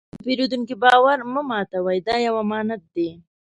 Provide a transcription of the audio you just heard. د پیرودونکي باور مه ماتوئ، دا یو امانت دی.